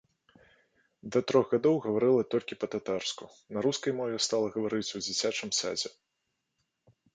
Да трох гадоў гаварыла толькі па-татарску, на рускай мове стала гаварыць у дзіцячым садзе.